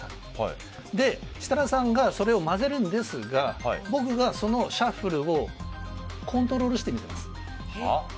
設楽さんがそれを混ぜるんですが僕がそのシャッフルをコントロールしてみせます。